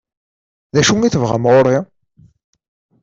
D acu i tebɣam ɣur-i?